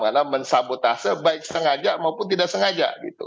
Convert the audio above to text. karena mensabotase baik sengaja maupun tidak sengaja gitu